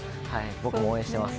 僕も応援してます。